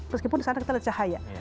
meskipun di sana kita lihat cahaya